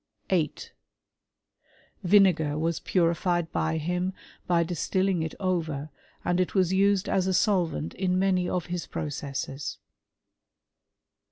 8. Vinegar wa^purified by him by distilling it over^ and it was used as a solvent in many of his processes.